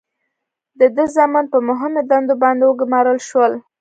د ده زامن په مهمو دندو باندې وګمارل شول.